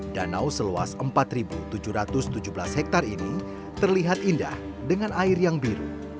danau seluas empat tujuh ratus tujuh belas hektare ini terlihat indah dengan air yang biru